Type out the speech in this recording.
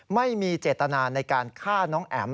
ไม่มีเจตนาในการฆ่าน้องแอ๋ม